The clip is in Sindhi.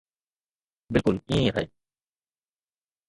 بلڪل ائين ئي آهي.